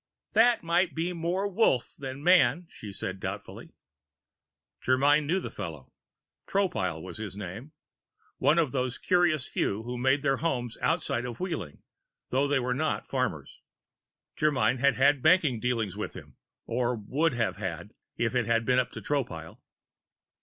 "That might be more Wolf than man," she said doubtfully. Germyn knew the fellow. Tropile was his name. One of those curious few who made their homes outside of Wheeling, though they were not farmers. Germyn had had banking dealings with him or would have had, if it had been up to Tropile.